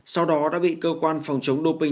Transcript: sau đó đã bị cơ quan phòng chống đô pinh